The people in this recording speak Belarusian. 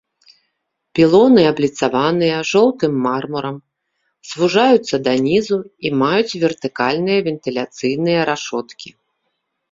Пілоны абліцаваныя жоўтым мармурам, звужаюцца да нізу і маюць вертыкальныя вентыляцыйныя рашоткі.